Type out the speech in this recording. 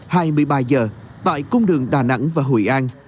hai mươi ba giờ tại cung đường đà nẵng và hội an